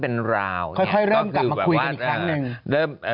เป็นราวค่อยเริ่มกลับมาคุยกันอีกครั้งหนึ่ง